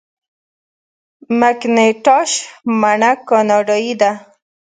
مکینټاش مڼه کاناډايي ده.